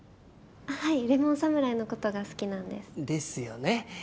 はいレモン侍のことが好きなんです。ですよね。